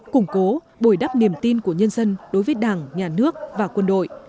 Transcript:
củng cố bồi đắp niềm tin của nhân dân đối với đảng nhà nước và quân đội